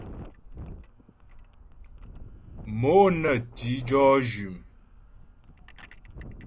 Mo nə ti jɔ́ jʉm.